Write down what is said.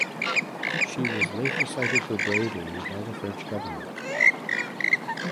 She was later cited for bravery by the French government.